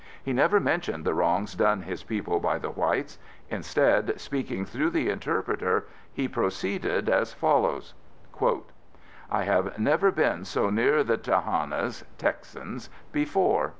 He never mentioned the wrongs done his people by the whites. Instead, speaking through the interpreter, he proceeded as follows: ... "I have never been so near the Tehannas (Texans) before.